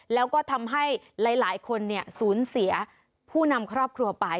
แล้วก็ทำให้หลายคนสูญเสียผู้นำครอบครัวไป